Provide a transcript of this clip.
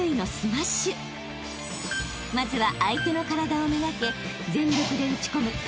［まずは］